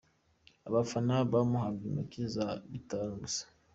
Abafana bamuhaga inoti za bitanu gusa.